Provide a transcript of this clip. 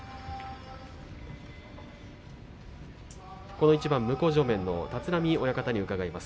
この一番向正面の立浪親方に伺います。